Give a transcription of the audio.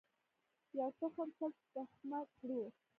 یو تخم سل تخمه کړو.